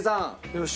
よし。